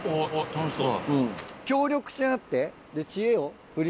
楽しそう。